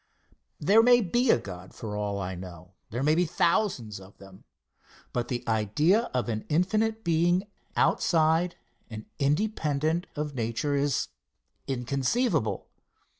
There may be a God for all I know. There may be thousands of them. But the idea of an infinite Being outside and independent of nature is inconceivable.